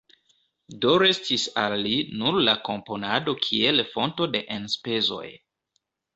Do restis al li nur la komponado kiel fonto de enspezoj.